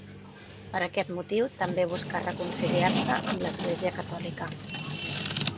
Per aquest motiu, també buscà reconciliar-se amb l'Església catòlica.